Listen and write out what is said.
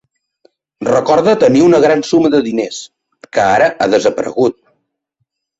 Recorda tenir una gran suma de diners, que ara ha desaparegut.